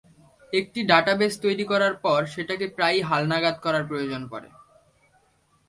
একটি ডাটাবেজ তৈরী করার পর সেটাকে প্রায়ই হালনাগাদ করার প্রয়োজন পড়ে।